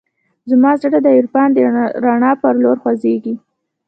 زما زړه د عرفان د رڼا په لور خوځېږي.